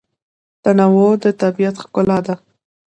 تنوع د طبیعت ښکلا ده.